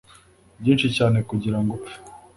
byinshi cyane kugirango upfe